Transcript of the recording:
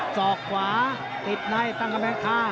จอกขวาติดในตั้งแม้ค่า